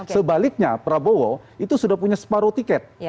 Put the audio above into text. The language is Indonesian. sebaliknya prabowo itu sudah punya separuh tiket